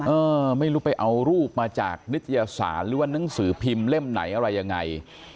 เออไม่รู้ไปเอารูปมาจากนิตยสารหรือว่านังสือพิมพ์เล่มไหนอะไรยังไง